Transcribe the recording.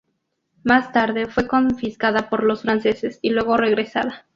Más tarde fue confiscada por los franceses, y luego regresada.